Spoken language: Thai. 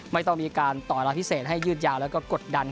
ไม่ต้องมีการต่อเวลาพิเศษให้ยืดยาวแล้วก็กดดัน